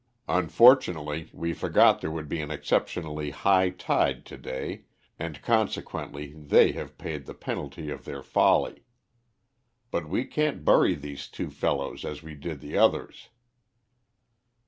"Unfortunately, we forgot there would be an exceptionally high tide to day, and consequently they have paid the penalty of their folly. But we can't bury these two fellows as we did the others."